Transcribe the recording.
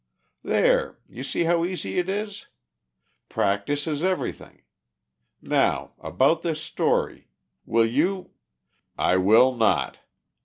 "There, you see how easy it is! Practice is everything. Now, about this story, will you " "I will not.